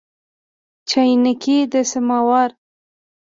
چاینکي د سماوار